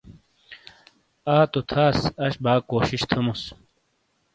آ تو تھاس، اش با کوشش تھوموس۔